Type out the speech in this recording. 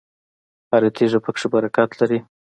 هره تیږه پکې برکت لري.